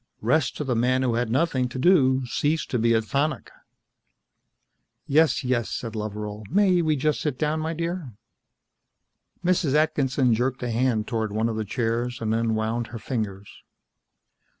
Rest to the man who had nothing to do ceased to be a tonic. "Yes, yes," said Loveral. "May we just sit down, my dear?" Mrs. Atkinson jerked a hand toward one of the chairs and then wound her fingers.